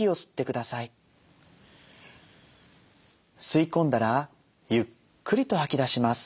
吸い込んだらゆっくりとはき出します。